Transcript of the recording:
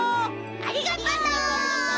ありがとう！